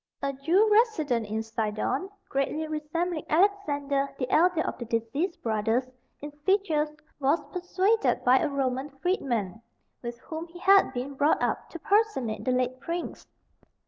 A Jew resident in Sidon, greatly resembling Alexander, the elder of the deceased brothers, in features, was persuaded by a Roman freedman, with whom he had been brought up, to personate the late prince.